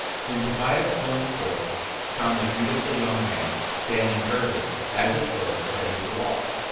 5:5. Then Tobias going forth, found a beautiful young man, standing girded, and as it were ready to walk.